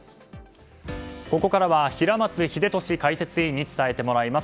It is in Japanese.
ここからは平松秀敏解説委員に伝えてもらいます。